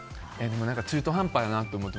中途半端やなと思う。